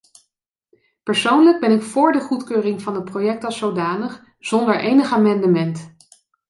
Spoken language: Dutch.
Persoonlijk ben ik voor de goedkeuring van het project als zodanig zonder enig amendement.